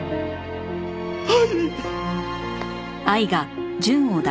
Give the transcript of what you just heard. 愛！